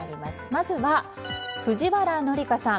まずは、藤原紀香さん